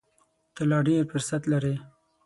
ته لا ډېر فرصت لرې !